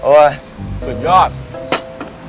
โอ้ยสุดยอด